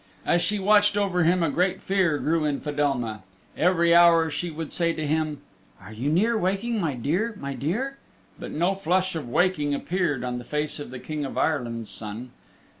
As she watched over him a great fear grew in Fedelma. Every hour she would say to him, "Are you near waking, my dear, my dear?" But no flush of waking appeared on the face of the King of Ireland's Son.